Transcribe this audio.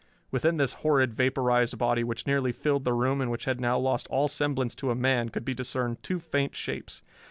Within this horrid vaporized body, which nearly filled the room and which had now lost all semblance to a man, could be discerned two faint shapes.